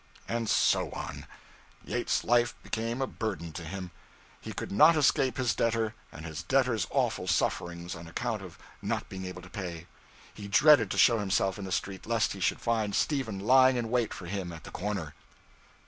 And so on. Yates's life became a burden to him. He could not escape his debtor and his debtor's awful sufferings on account of not being able to pay. He dreaded to show himself in the street, lest he should find Stephen lying in wait for him at the corner.